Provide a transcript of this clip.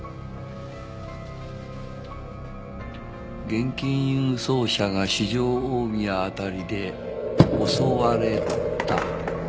現金輸送車が四条大宮辺りで襲われたか。